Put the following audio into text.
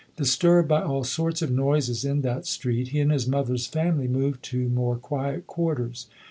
Disturbed by all sorts of noises in that street, he and his mother's family moved to more quiet quarters.